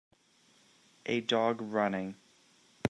A dog running.